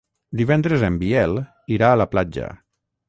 Divendres en Biel irà a la platja.